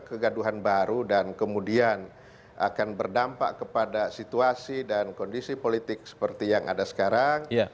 kegaduhan baru dan kemudian akan berdampak kepada situasi dan kondisi politik seperti yang ada sekarang